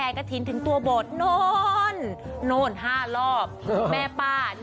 เอ้ยเอ้ยเอ้ยเอ้ยเอ้ย